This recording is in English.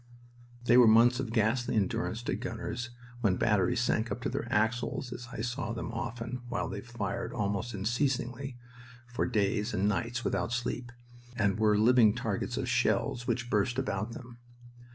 They were months of ghastly endurance to gunners when batteries sank up to their axles as I saw them often while they fired almost unceasingly for days and nights without sleep, and were living targets of shells which burst about them.